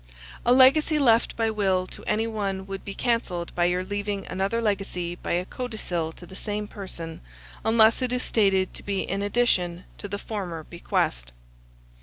A legacy left by will to any one would be cancelled by your leaving another legacy by a codicil to the same person, unless it is stated to be in addition to the former bequest.